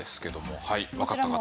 はいわかった方。